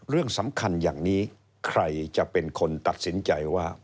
เรื่องสำคัญอย่างนี้ใครจะเป็นคนตัดสินใจว่า